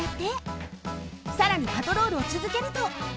さらにパトロールをつづけると。